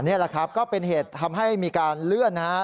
นี่แหละครับก็เป็นเหตุทำให้มีการเลื่อนนะครับ